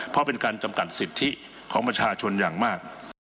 เพราะเป็นการจำกัดสิทธิของประชาชนอย่างมาก